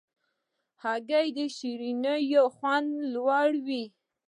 هګۍ د شیرینیو خوند لوړوي.